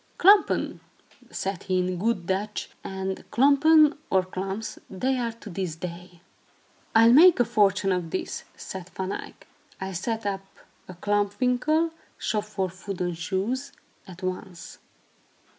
"Klompen," said he, in good Dutch, and klompen, or klomps, they are to this day. "I'll make a fortune out of this," said Van Eyck. "I'll set up a klomp winkel (shop for wooden shoes) at once."